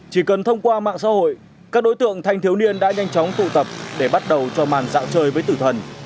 chỉ cần thông qua mạng xã hội các đối tượng thanh thiếu niên đã nhanh chóng tụ tập để bắt đầu cho màn dạng chơi với tử thần